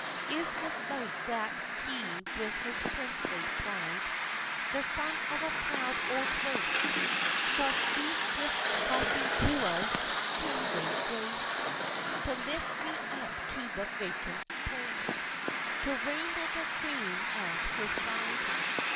Is it like that he with his princely pride The son of a proud old race, Shall stoop with Cophetua's kingly grace To lift me up to the vacant place, To reign like a queen at his side?